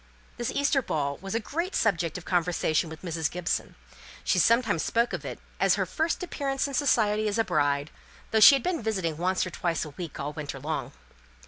This Easter ball was a great subject of conversation with Mrs. Gibson. She sometimes spoke of it as her first appearance in society as a bride, though she had been visiting once or twice a week all winter long.